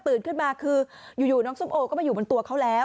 ขึ้นมาคืออยู่น้องส้มโอก็มาอยู่บนตัวเขาแล้ว